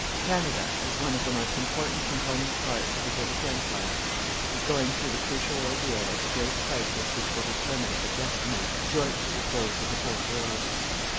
Canada, as one of the most important component parts of the British Empire, is going through the crucial ordeal of the great crisis which will determine her destinies jointly with those of the whole world.